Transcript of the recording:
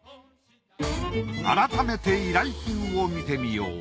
改めて依頼品を見てみよう。